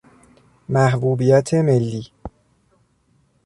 محبوبیت ملی